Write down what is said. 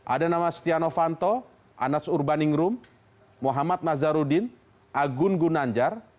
ada nama setia novanto anas urbaningrum muhammad nazarudin agun gunanjar